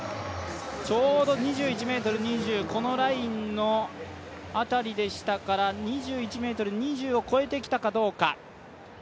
ちょうど２１ｍ２０このラインのあたりでしたから２１ｍ２０を越えてきたかどうか。